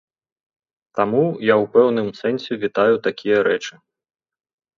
Таму я ў пэўным сэнсе вітаю такія рэчы.